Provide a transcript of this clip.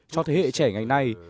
cho thế hệ trẻ ngày nay